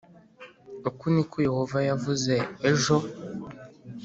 uku ni ko Yehova yavuze ejo